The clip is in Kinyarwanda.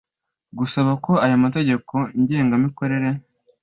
gusaba ko aya mategeko ngengamikorere